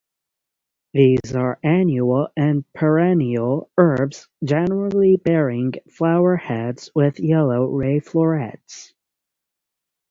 These are annual and perennial herbs generally bearing flower heads with yellow ray florets.